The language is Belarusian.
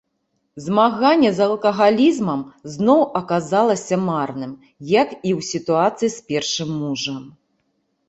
Змаганне з алкагалізмам зноў аказалася марным, як і ў сітуацыі з першым мужам.